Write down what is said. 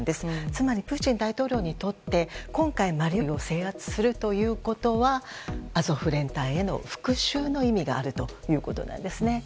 つまりプーチン大統領にとって今回、マリウポリを制圧するのはアゾフ連隊への復讐の意味があるということなんですね。